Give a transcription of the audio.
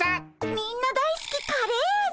みんな大すきカレー味